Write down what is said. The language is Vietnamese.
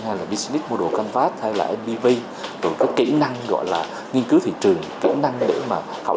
hay là business model canvas hay là npv kỹ năng gọi là nghiên cứu thị trường kỹ năng để mà khảo